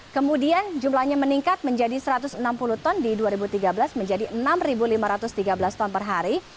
kemudian jumlahnya meningkat menjadi satu ratus enam puluh ton di dua ribu tiga belas menjadi enam lima ratus tiga belas ton per hari